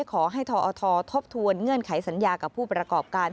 ขอให้ทอททบทวนเงื่อนไขสัญญากับผู้ประกอบการ